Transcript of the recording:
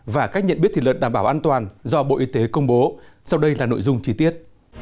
và cách nhận biết thị lực đảm bảo an toàn do bộ y tế công bố sau đây là nội dung trí tiết